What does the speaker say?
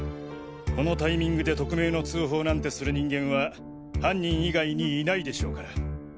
このタイミングで匿名の通報なんてする人間は犯人以外にいないでしょうから。